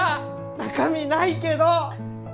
中身ないけど！